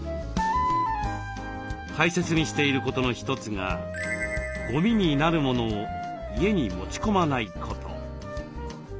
大切にしていることの一つがゴミになるものを家に持ち込まないこと。